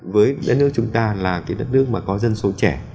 với đất nước chúng ta là cái đất nước mà có dân số trẻ